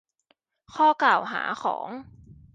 ข้อกล่าวหาของ